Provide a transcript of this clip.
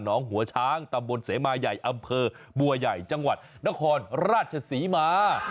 หัวช้างตำบลเสมาใหญ่อำเภอบัวใหญ่จังหวัดนครราชศรีมา